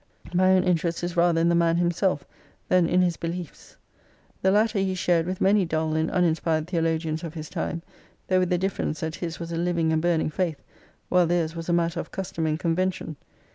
My own interest is rather in the man himself than in his beliefs. The latter ke shared with many dull and uninspired theologians ef his time, though with the difference that his was a living and burning faith while theirs was a matter of custom and convention.